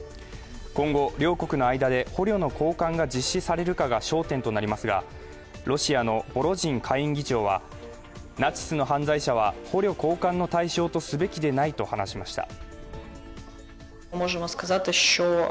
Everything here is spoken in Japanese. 今後、両国の間で捕虜の交換が実施されるかが焦点となりますが、ロシアのボロジン下院議長はナチスの犯罪者は捕虜交換の対象とすべきでないと話しました。